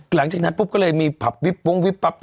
หลังจากนั้นปุ๊บก็เลยมีผับวิบว้งวิบปั๊บ